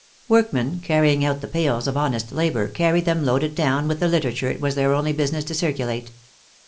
Workmen, carrying out the pails of honest labor, carried them loaded down with the literature it was their only business to circulate.